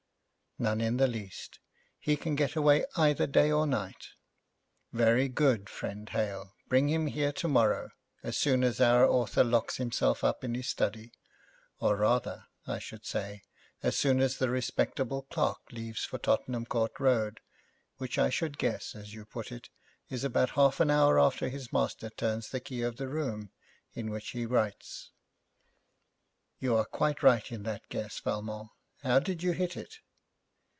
'None in the least. He can get away either night or day.' 'Very good, friend Hale, bring him here tomorrow, as soon as our author locks himself up in his study, or rather, I should say, as soon as the respectable clerk leaves for Tottenham Court Road, which I should guess, as you put it, is about half an hour after his master turns the key of the room in which he writes.' 'You are quite right in that guess, Valmont. How did you hit it?'